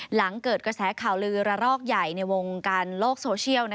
หลังเกิดกระแสข่าวลือระลอกใหญ่ในวงการโลกโซเชียล